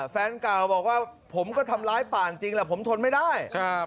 แฟนเก่าบอกว่าผมก็ทำร้ายป่านจริงแหละผมทนไม่ได้